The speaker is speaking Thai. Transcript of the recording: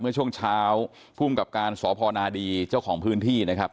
เมื่อช่วงเช้าภูมิกับการสพนาดีเจ้าของพื้นที่นะครับ